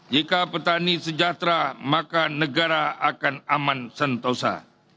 jika petani sejahtera maka negara akan aman sentosa